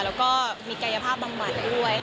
แล้วก็มีกายภาพบำบัดด้วย